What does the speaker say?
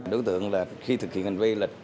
đối tượng là khi thực hiện gần vây lật